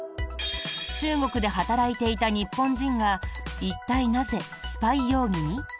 中国で働いていた日本人が一体なぜ、スパイ容疑に？